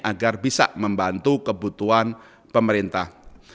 agar bisa membantu kebutuhan pemerintah